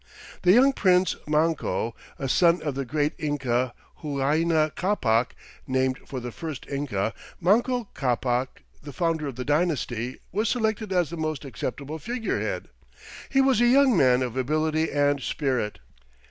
The young prince, Manco, a son of the great Inca Huayna Capac, named for the first Inca, Manco Ccapac, the founder of the dynasty, was selected as the most acceptable figurehead. He was a young man of ability and spirit.